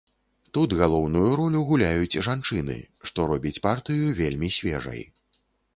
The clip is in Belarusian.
Тут галоўную ролю гуляюць жанчыны, што робіць партыю вельмі свежай.